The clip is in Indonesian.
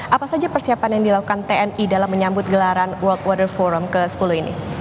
apa saja persiapan yang dilakukan tni dalam menyambut gelaran world water forum ke sepuluh ini